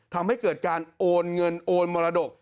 ทำให้เกิดการโอนเงินโอนมรดก